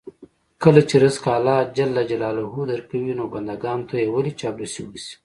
کله چې رزق الله ج درکوي، نو بندګانو ته یې ولې چاپلوسي وشي.